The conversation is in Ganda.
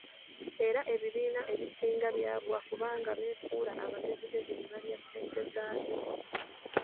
Era ebibiina ebisinga byagwa kubanga beefuula abagezigezi ne balya ssente zaabyo.